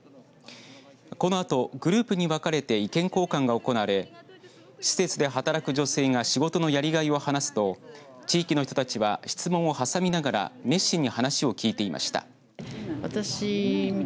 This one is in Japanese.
このあとグループに分かれて意見交換が行われ施設で働く女性が仕事のやりがいを話すと地域の人たちは質問を挟みながら熱心に話を聞いていました。